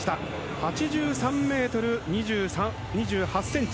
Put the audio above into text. ８３ｍ２８ｃｍ。